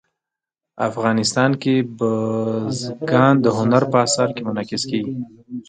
افغانستان کې بزګان د هنر په اثار کې منعکس کېږي.